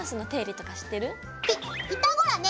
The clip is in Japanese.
ピピタゴラね